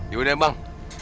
ya udah bang